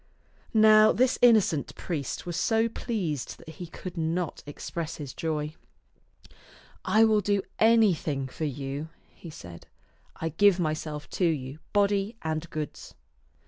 Now this innocent priest was so pleased that he could not express his joy. " I will do anything for you," he said. " I give myself to you, body and goods."